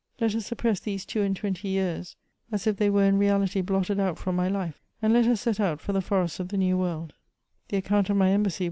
Let us suppress these two and twenty years, as if they were in reality blotted out from my life, and let us set out for the forests of the New World ; the account of my embassy.